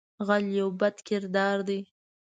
غل یو بد کردار دی